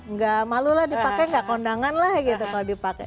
yang gak malu lah dipakai gak kondangan lah gitu kalau dipakai